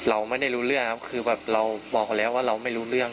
เราไม่ได้รู้เรื่องครับคือแบบเราบอกแล้วว่าเราไม่รู้เรื่อง